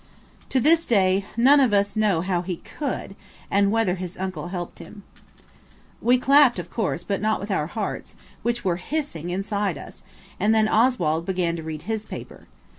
To this day none of us know how he could, and whether his uncle helped him. We clapped, of course, but not with our hearts, which were hissing inside us, and then Oswald began to read his paper.